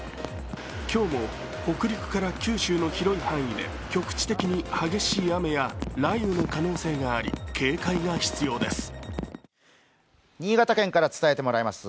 今日も北陸から九州の広い範囲で局地的に激しい雨や雷雨の可能性があり警戒が必要です。